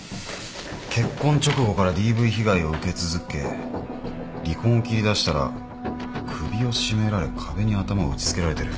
結婚直後からＤＶ被害を受け続け離婚を切り出したら首を絞められ壁に頭を打ち付けられてる。